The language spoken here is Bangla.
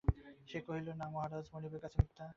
সে কহিল, না মহারাজ, মনিবের কাছে মিথ্যা কথা বলিব কী করিয়া।